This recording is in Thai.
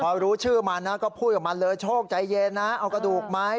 พอรู้ชื่อมันนะก็พูดกับมันเลยโชคใจเย็นนะเอากระดูกไหม